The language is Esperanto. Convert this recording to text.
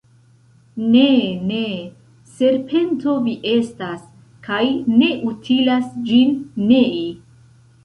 Ne, ne! Serpento vi estas, kaj ne utilas ĝin nei.